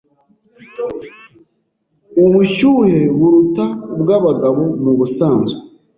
ubushyuhe buruta ubw’abagabo mu busanzwe,